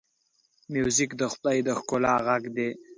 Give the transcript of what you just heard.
موزیک د خدای د ښکلا غږ دی.